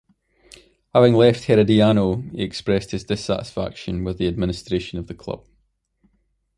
Having left Herediano, he expressed his dissatisfaction with the administration of the club.